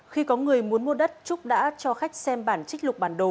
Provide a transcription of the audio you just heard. khi có người muốn mua đất trúc đã cho khách xem bản trích lục bản đồ